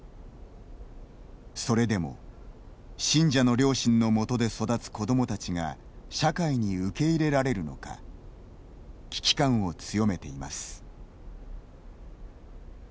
それでも、信者の両親のもとで育つ子どもたちが社会に受け入れられるのか危機感を強めています。